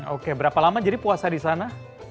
oke berapa lama jadi puasa di sana